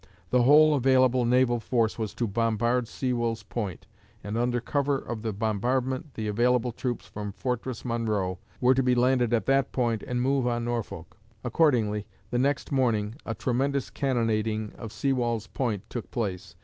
The whole available naval force was to bombard Sewall's Point, and under cover of the bombardment the available troops from Fortress Monroe were to be landed at that point and move on Norfolk. Accordingly, the next morning a tremendous cannonading of Sewall's Point took place.